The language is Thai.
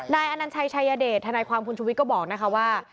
นายอันนันชัยชัยเยอเดชธความคุณชูวิทธิ์ก็บอกนะคะว่า